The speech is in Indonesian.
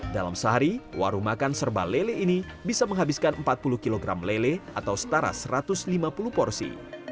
dalam sehari warung makan serba lele ini bisa menghabiskan empat puluh kg lele atau setara satu ratus lima puluh porsi